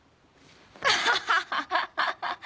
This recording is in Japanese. アハハハ！